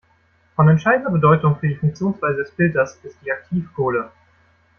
Von entscheidender Bedeutung für die Funktionsweise des Filters ist die Aktivkohle.